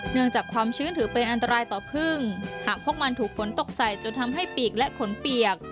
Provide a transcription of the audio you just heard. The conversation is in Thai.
จากความชื้นถือเป็นอันตรายต่อพึ่งหากพวกมันถูกฝนตกใส่จนทำให้ปีกและขนเปียก